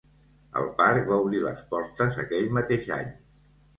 El parc va obrir les portes aquell mateix any.